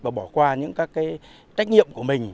mà bỏ qua những các trách nhiệm của mình